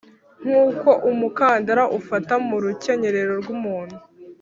Nk uko umukandara ufata mu rukenyerero rw umuntu